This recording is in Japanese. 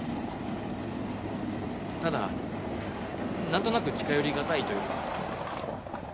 ただ何となく近寄りがたいというか。